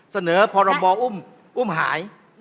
เสนอพรบอุ้มหาย